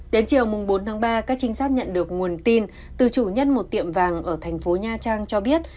đến chiều bốn tháng ba các trinh sát nhận được nguồn tin từ chủ nhân một tiệm vàng ở thành phố nha trang cho biết